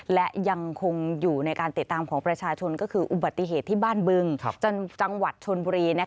และยังคงอยู่ในการติดตามของประชาชนก็คืออุบัติเหตุที่บ้านบึงจังหวัดชนบุรี